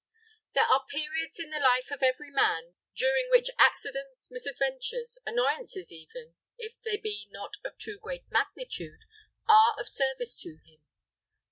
There are periods in the life of every man daring which accidents, misadventures, annoyances even, if they be not of too great magnitude, are of service to him.